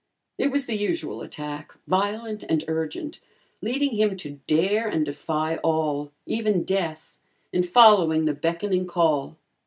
It was the usual attack, violent and urgent, leading him to dare and defy all, even death, in following the beckoning call.